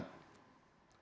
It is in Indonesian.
itu lumayan berat